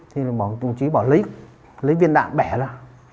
thì đồng chí bảo lấy viên đạn bẻ ra